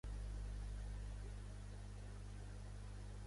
Jo defense els drets humans de tothom menys els nostres i ara ens ataquen